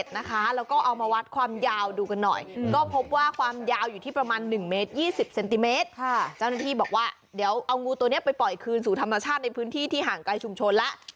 เจ้าหน้าที่บอกว่าเดี๋ยวเอางูตัวนี้ไปปล่อยคืนสู่ธรรมชาติในพื้นที่ที่ห่างไกลชุมชนแล้ว